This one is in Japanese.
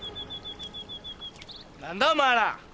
何だお前ら？